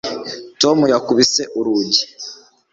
tom yakubise urugi